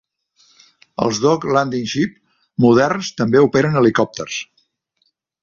Els Dock Landing Ship moderns també operen helicòpters.